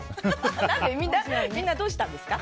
みんな、どうしたんですか？